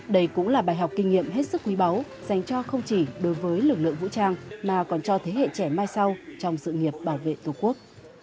đây cũng là bài học kinh nghiệm hết sức quý báu dành cho không chỉ đối với lực lượng vũ trang mà còn cho thế hệ trẻ mai sau trong sự nghiệp bảo vệ tổ quốc